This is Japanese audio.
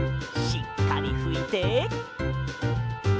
しっかりふいて。